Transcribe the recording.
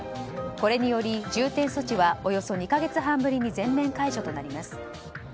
これにより重点措置はおよそ２か月半ぶりに全面解除となります。